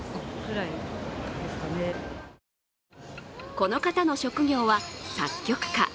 この方の職業は作曲家。